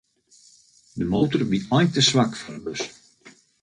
De motor wie eink te swak foar de bus.